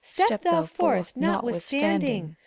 Step thou forth, notwithstanding!